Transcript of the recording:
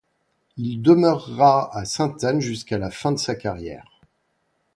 Il demeurera à Sainte-Anne jusqu’à la fin de sa carrière.